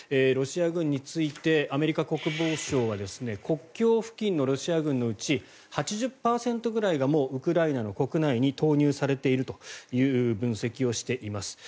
ロシア軍についてアメリカ国防総省は国境付近のロシア軍のうち８０％ぐらいがもうウクライナの国内に投入されているという分析をしています。